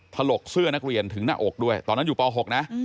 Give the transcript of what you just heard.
ถลกเสื้อนักเรียนถึงหน้าอกด้วยตอนนั้นอยู่ป๖นะ